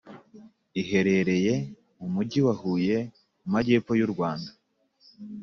iherereye mu mujyi wa huye mu majyepfo y’u rwanda.